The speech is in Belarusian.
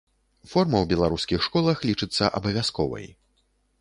Форма ў беларускіх школах лічыцца абавязковай.